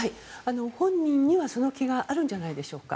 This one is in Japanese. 本人にはその気があるんじゃないんでしょうか。